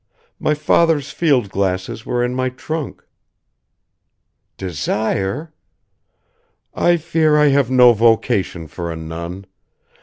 My father's field glasses were in my trunk." "Desire?" "I fear I have no vocation for a nun.